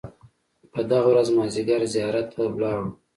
په دغه ورځ مازیګر زیارت ته ولاړو.